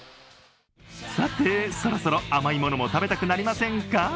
さて、そろそろ甘いものも食べたくなりませんか？